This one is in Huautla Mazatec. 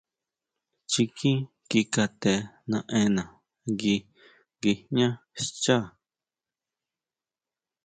Chikín ki kate naʼena ngui nguijñá xchá.